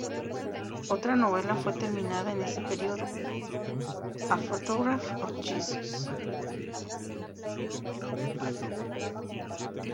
Otra novela fue terminada en ese período "A Photograph of Jesus".